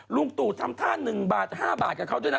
ลุงตู่ทำท่า๑บาท๕บาทกับเขาด้วยนะ